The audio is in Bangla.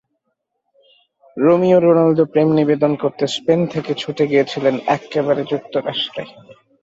রোমিও রোনালদো প্রেম নিবেদন করতে স্পেন থেকে ছুটে গিয়েছিলেন এক্কেবারে যুক্তরাষ্ট্রে।